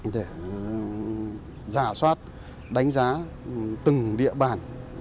để giả soát đánh giá từng địa bàn